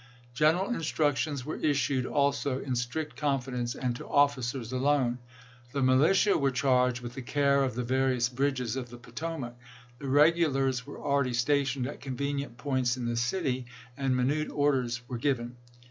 General instructions were issued also, in strict confidence, and to officers alone. The militia were charged with the care of the various bridges of the Potomac ; the regulars were already stationed at convenient points in the city, and mi nute orders were given.